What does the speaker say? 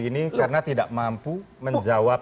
ini karena tidak mampu menjawab